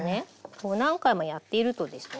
こう何回もやっているとですね